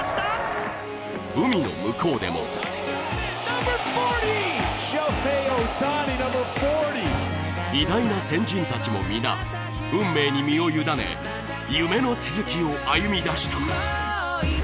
海の向こうでも偉大な先人たちも皆運命に身を委ね夢の続きを歩み出していく。